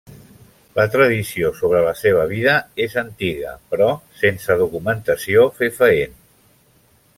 La tradició sobre la seva vida és antiga, però sense documentació fefaent.